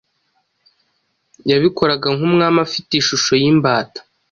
yabikoraga nk’umwami afite ishusho y’imbata.”